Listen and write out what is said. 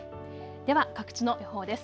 では各地の予報です。